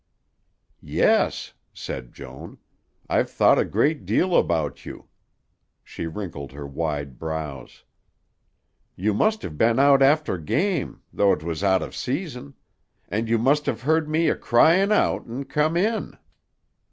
"Yes," said Joan; "I've thought a great deal about you." She wrinkled her wide brows. "You must have been out after game, though 't was out of season. And you must have heard me a cryin' out an' come in.